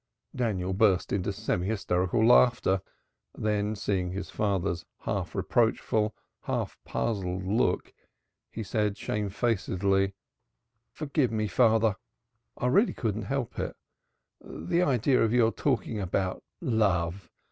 Daniel burst into semi hysterical laughter. Then seeing his father's half reproachful, half puzzled look he said shamefacedly: "Forgive me, father, I really couldn't help it. The idea of your talking about love!